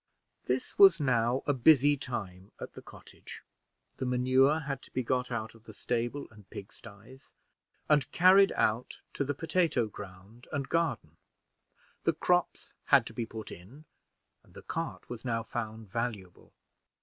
This was now a busy time at the cottage. The manure had to be got out of the stable and pigsties, and carried out to the potato ground and garden; the crops had to be put in, and the cart was now found valuable.